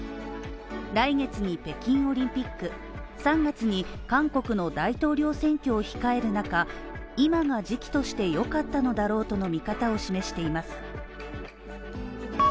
来月に北京オリンピック、３月に韓国の大統領選挙を控える中、今が時期として良かったのだろうとの見方を示しています。